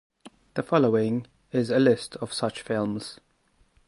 The following is a list of such films.